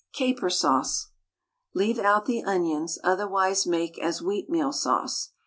CAPER SAUCE. Leave out the onions, otherwise make as "Wheatmeal Sauce."